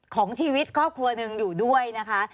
ของชีวิตครอบครัวหนึ่งอยู่ด้วยนะคะ